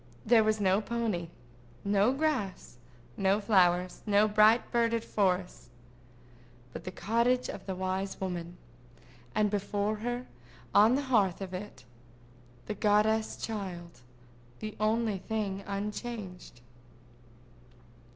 There was no pony, no grass, no flowers, no bright birded forest—but the cottage of the wise woman—and before her, on the hearth of it, the goddess child, the only thing unchanged.